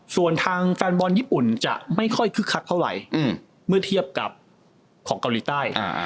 ส่วนทางแฟนบอลญี่ปุ่นจะไม่ค่อยคึกคักเท่าไหร่เมื่อเทียบกับของเกาหลีใต้